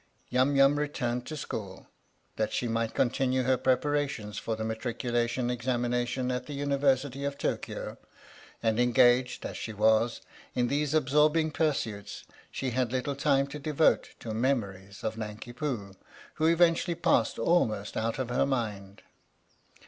Yum Yum returned to school, that she might continue her preparations for the Matricu lation Examination at the University of Tokio, and, engaged as she was in these absorbing pursuits, she had little time to devote to memories of Nanki Poo, who eventually passed almost out of her mind.